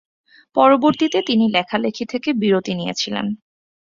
পরবর্তীতে তিনি লেখালেখি থেকে বিরতি নিয়েছিলেন।